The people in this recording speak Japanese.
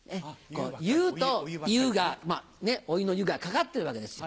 「言う」と「湯」がお湯の「湯」が掛かってるわけですよ。